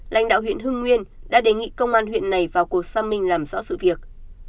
lãnh đạo huyện hưng nguyên đã đề nghị công an huyện này vào cuộc xác minh làm rõ sự việc